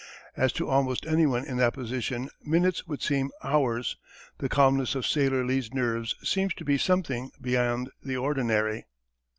As to almost anyone in that position minutes would seem hours, the calmness of sailor Lee's nerves seems to be something beyond the ordinary.